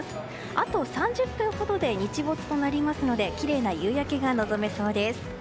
あと３０分ほどで日没となりますのできれいな夕焼けが望めそうです。